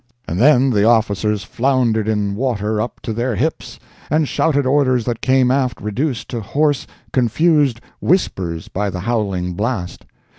And then the officers floundered in water up to their hips, and shouted orders that came aft reduced to hoarse, confused whispers by the howling blast!